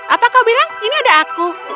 apa kau bilang ini ada aku